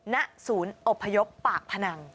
ณศูนย์อบพยพปากพนัง